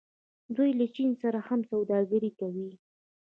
دوی له چین سره هم سوداګري کوي.